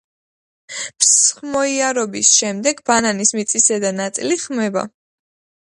მსხმოიარობის შემდეგ ბანანის მიწისზედა ნაწილი ხმება.